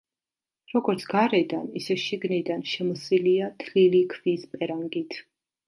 როგორც გარედან, ისე შიგნიდან შემოსილია თლილი ქვის პერანგით.